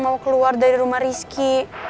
mau keluar dari rumah rizky